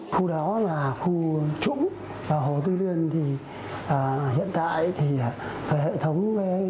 khu đó là khu trũng hồ tư liên thì hiện tại thì phải hệ thống